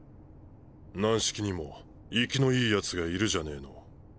軟式にもイキのいいやつがいるじゃねーの。